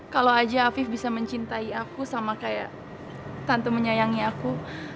kalau aja afif bisa mencintai aku sama kayak tante menyayangi aku